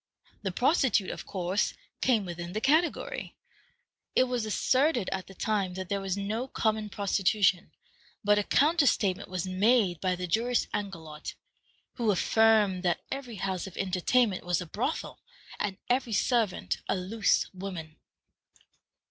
The prostitute, of course, came within the category. It was asserted at the time that there was no common prostitution, but a counter statement was made by the jurist Angelot, who affirmed that every house of entertainment was a brothel, and every servant a loose woman.